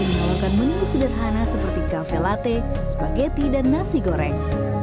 yang mengeluarkan menu sederhana seperti kafe latte spaghetti dan nasi goreng